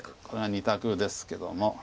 これは２択ですけども。